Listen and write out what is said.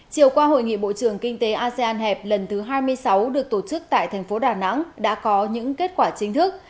chiều qua hội nghị bộ trưởng kinh tế asean hẹp lần thứ hai mươi sáu được tổ chức tại thành phố đà nẵng đã có những kết quả chính thức